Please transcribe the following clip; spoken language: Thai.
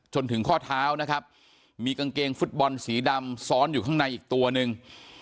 จนถึงข้อเท้านะครับมีกางเกงฟุตบอลสีดำซ้อนอยู่ข้างในอีกตัวหนึ่ง